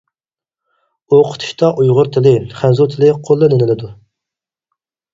ئوقۇتۇشتا ئۇيغۇر تىلى، خەنزۇ تىلى قوللىنىلىدۇ.